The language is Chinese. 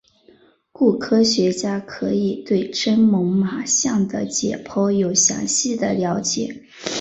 故科学家可以对真猛玛象的解剖有详细的了解。